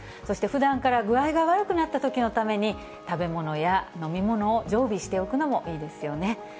そしてふだんから具合が悪くなったときのために、食べ物や飲み物を常備しておくのもいいですよね。